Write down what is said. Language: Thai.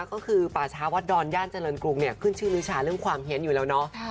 ก็คือป่าชาวัดดรณ์ย่านเจริญกรุงขึ้นชื่อริชาเรื่องความเห็นอยู่แล้วเนอะ